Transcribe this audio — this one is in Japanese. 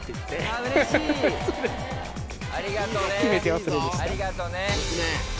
ありがとね。